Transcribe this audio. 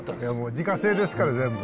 自家製ですから全部。